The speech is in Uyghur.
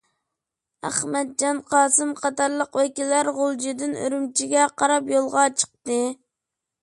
ئەخمەتجان قاسىمى قاتارلىق ۋەكىللەر غۇلجىدىن ئۈرۈمچىگە قاراپ يولغا چىقتى.